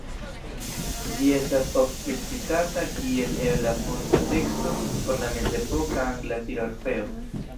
Ĝi estas ofte citata kiel ebla fonta teksto por la mezepoka angla Sir Orfeo.